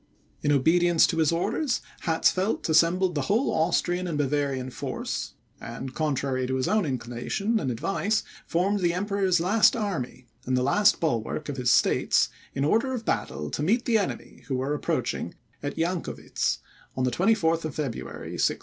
In obedience to his orders, Hatzfeldt assembled the whole Austrian and Bavarian force, and contrary to his own inclination and advice, formed the Emperor's last army, and the last bulwark of his states, in order of battle, to meet the enemy, who were approaching, at Jankowitz, on the 24th of February, 1645.